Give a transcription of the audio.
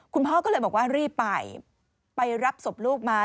คุณพ่อก็เลยบอกว่ารีบไปไปรับศพลูกมา